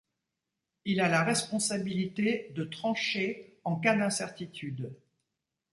Il a la responsabilité de trancher en cas d'incertitude.